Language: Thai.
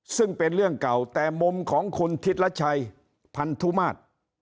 ซึ่งเป็นเรื่องเก่าแต่มุมของคุณทิศรัชชัยพันธุมาตร